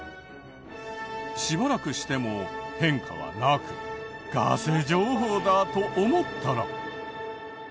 しばらくしても変化はなくガセ情報だと思ったら。